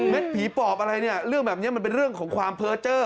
เม็ดผีปอบอะไรนี่เรื่องแบบนี้มันเป็นเรื่องของความเผลอเจอ